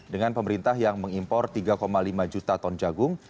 dengan pemerintah yang mengimpor tiga lima juta ton jagung